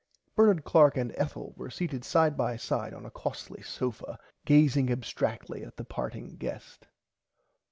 Bernard Clark and Ethel were seated side by side on a costly sofa gazing abstractly at the parting guest.